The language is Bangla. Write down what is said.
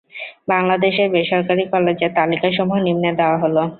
বাংলাদেশের বেসরকারি কলেজের তালিকা সমূহ নিম্নে দেওয়া হলঃ